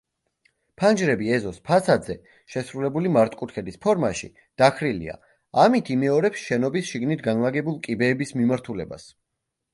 ფანჯრები ეზოს ფასადზე, შესრულებული მართკუთხედის ფორმაში, დახრილია, ამით იმეორებს შენობის შიგნით განლაგებულ კიბეების მიმართულებას.